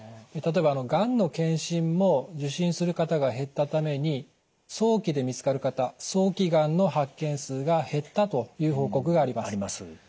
例えばがんの検診も受診する方が減ったために早期で見つかる方早期がんの発見数が減ったという報告があります。